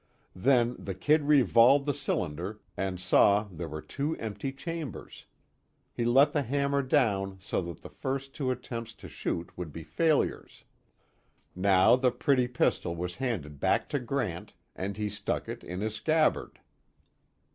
Then the "Kid" revolved the cylinder and saw there were two empty chambers. He let the hammer down so that the first two attempts to shoot would be failures. Now the pretty pistol was handed back to Grant and he stuck it in his scabbard.